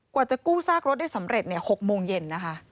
กว่าจะกู้ซากรถได้สำเร็จ๖โมงเย็นนะคะ